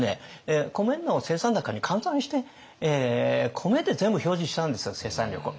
米の生産高に換算して米で全部表示したんですよ生産力を。